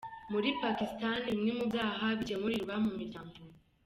Muri Pakistan bimwe mu byaha bikemurirwa mu miryango.